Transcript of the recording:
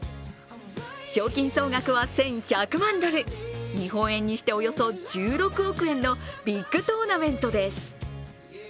賞金総額は１１００万ドル、日本円にしておよそ１６億円のビッグトーナメントです。